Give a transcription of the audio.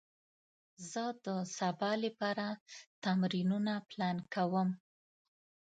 زه د سبا لپاره تمرینونه پلان کوم.